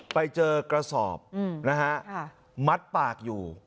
ไปเจอกระสอบนะฮะมัดปากอยู่